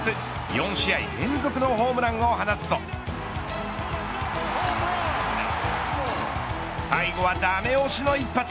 ４試合連続のホームランを放つと最後はダメ押しの一発。